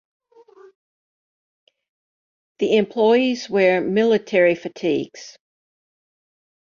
The employees wear military fatigues.